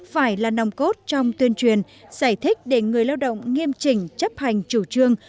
phải là nòng cốt trong tuyên truyền giải thích để người lao động nghiêm trình chấp hành chủ trương